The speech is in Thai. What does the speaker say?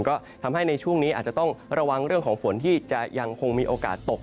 ก็ทำให้ในช่วงนี้อาจจะต้องระวังเรื่องของฝนที่จะยังคงมีโอกาสตก